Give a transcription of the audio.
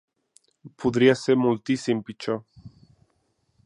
Podria ser moltíssim pitjor.